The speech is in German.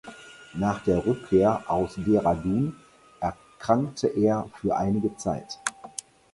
Nach der Rückkehr aus Dehradun erkrankte er für einige Zeit.